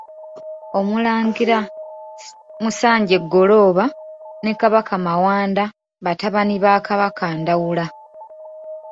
Omulangira Musanje Ggolooba ne Kabaka Mawanda batabani ba Kabaka Ndawula.